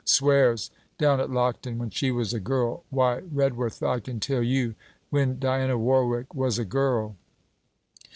Swears... down at Lockton... when she was a girl. Why, Redworth, I can tell you, when Diana Warwick was a girl!'